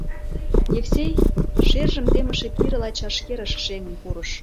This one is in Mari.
Евсей шержым темыше пирыла чашкерыш шеҥын пурыш.